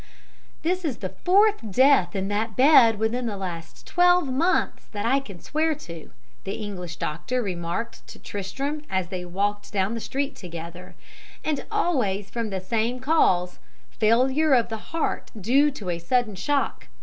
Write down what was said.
"'This is the fourth death in that bed within the last twelve months that I can swear to,' the English doctor remarked to Tristram, as they walked down the street together, 'and always from the same cause, failure of the heart due to a sudden shock.